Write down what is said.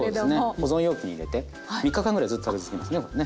保存容器に入れて３日間ぐらいずっと食べ続けますね